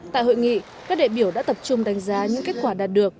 tại hội nghị các đệ biểu đã tập trung đánh giá những kết quả đạt được